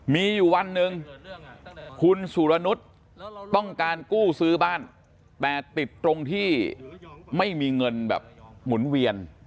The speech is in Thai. มีอยู่วันหนึ่งคุณสุรนุษย์ต้องการกู้ซื้อบ้านแต่ติดตรงที่ไม่มีเงินแบบหมุนเวียน